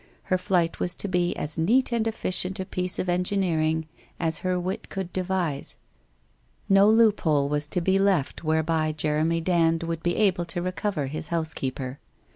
Her flight was to be as neat and efficient a piece of engineering as her wit could devise. No loop hole was to be left whereby Jeremy Dand would be able to recover his housekeeper.